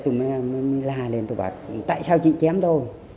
tôi mới la lên tôi bảo tại sao chị chém tôi